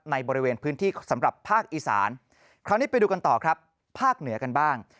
บริเวณพื้นที่สำหรับภาคอีสานคราวนี้ไปดูกันต่อครับภาคเหนือกันบ้าง